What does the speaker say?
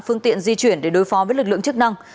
phương tiện di chuyển để đối phó với lực lượng chức năng